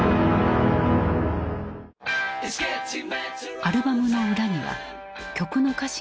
アルバムの裏には曲の歌詞が印刷された。